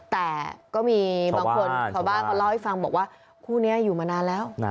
แต่ก็มีบางคนชาวบ้านเขาเล่าให้ฟังบอกว่าคู่นี้อยู่มานานแล้ว